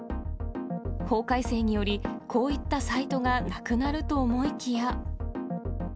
法改正により、こういったサイトがなくなると思いきや。